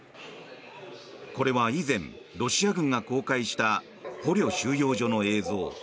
これは以前、ロシア軍が公開した捕虜収容所の映像。